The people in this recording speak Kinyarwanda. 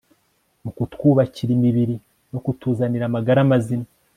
mu kutwubakira imibiri no kutuzanira amagara mazima